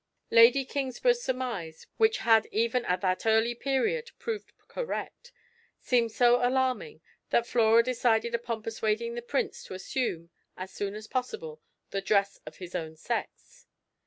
Lady Kingsburgh's surmise, which had even at that early period proved correct, seemed so alarming, that Flora decided upon persuading the Prince to assume, as soon at possible, the dress of his own sex.